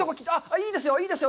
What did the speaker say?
いいですよ、いいですよ。